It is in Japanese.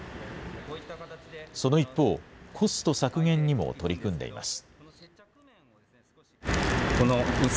その一方、コスト削減にも取り組んでいます。